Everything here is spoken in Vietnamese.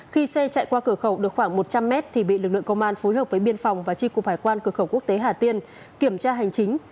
khi xe chạy qua cửa khẩu được khoảng một trăm linh mét thì bị lực lượng công an phối hợp với biên phòng và tri cục hải quan cửa khẩu quốc tế hà tiên kiểm tra hành chính